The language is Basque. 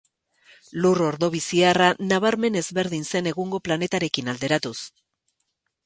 Lur Ordoviziarra nabarmen ezberdin zen egungo planetarekin alderatuz.